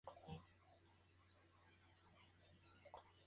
El primer equipo de balonmano milita en División de Honor Plata de Balonmano.